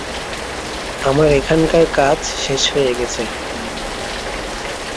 আমার এখানকার কাজ শেষ হয়ে গেছে।